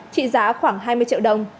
trị giá khoảng hai mươi triệu đồng